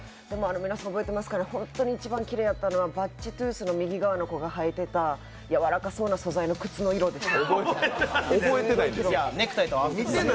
皆さん覚えてますかね、一番美しかったのはバッチトゥースの右側の方がはいててやわらかそうな素材の靴でした。